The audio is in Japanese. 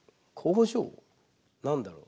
何だろう。